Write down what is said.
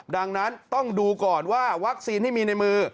ดังนั้นต้องดูก่อนว่าวัคซีนที่มีในมือ